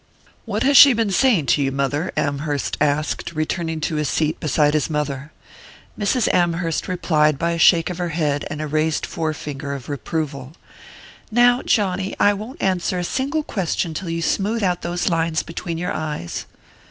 "What has she been saying to you, mother?" Amherst asked, returning to his seat beside his mother. Mrs. Amherst replied by a shake of her head and a raised forefinger of reproval. "Now, Johnny, I won't answer a single question till you smooth out those lines between your eyes."